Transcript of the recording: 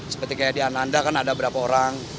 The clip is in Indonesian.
seperti kayak di ananda kan ada berapa orang